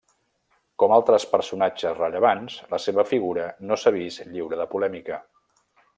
Com altres personatges rellevants, la seva figura no s'ha vist lliure de polèmica.